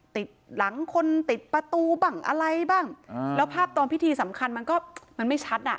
ติดหลังคนติดประตูบ้างอะไรบ้างแล้วภาพตอนพิธีสำคัญมันก็มันไม่ชัดอ่ะ